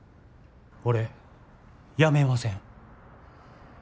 俺辞めません。